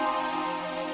engkak pedam ya